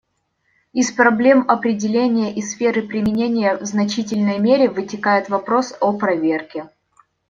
Из проблем определения и сферы применения в значительной мере вытекает вопрос о проверке.